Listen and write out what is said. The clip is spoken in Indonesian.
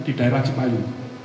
di daerah cepayu